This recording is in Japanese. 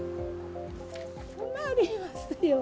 困りますよー。